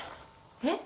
えっ！？